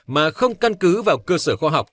mà không căn cứ vào cơ sở khoa học